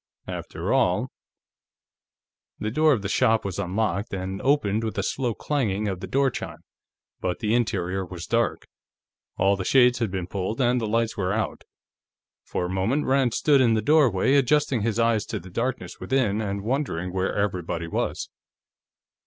After all ... The door of the shop was unlocked, and opened with a slow clanging of the door chime, but the interior was dark. All the shades had been pulled, and the lights were out. For a moment Rand stood in the doorway, adjusting his eyes to the darkness within and wondering where everybody was.